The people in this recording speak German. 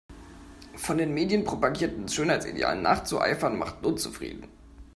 Von den Medien propagierten Schönheitsidealen nachzueifern macht unzufrieden.